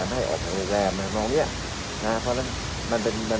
ไม่ให้ออกโปรแกรมน่ะนอกเนี้ยอ่าเพราะฉะนั้นมันเป็นมันเป็น